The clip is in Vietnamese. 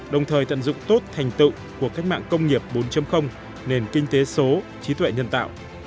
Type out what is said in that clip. đồng thời tận dụng tốt thành tựu của cách mạng công nghiệp bốn nền kinh tế số trí tuệ nhân tạo